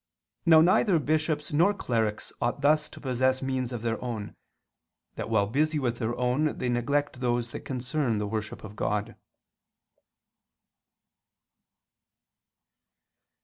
Now neither bishops nor clerics ought thus to possess means of their own, that while busy with their own they neglect those that concern the worship of God.